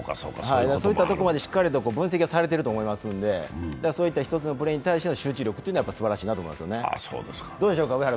そういったとこまでしっかりと分析をされてると思いますのでそういった１つのプレーにタイしての集中力っていうのはすばらしいなと思いますね。